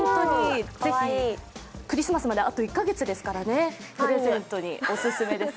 クリスマスまであと１カ月ですからプレゼントにお勧めです。